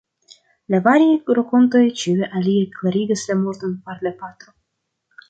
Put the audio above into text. La variaj rakontoj ĉiuj alie klarigas la morton far la patro.